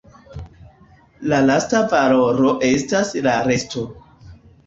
La lasta valoro estas la resto.